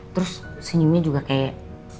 terus senyumnya juga kayak